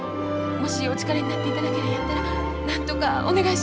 もしお力になっていただけるんやったらなんとかお願いします。